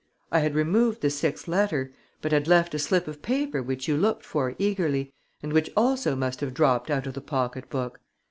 I had removed the sixth letter, but had left a slip of paper which you looked for eagerly and which also must have dropped out of the pocket book.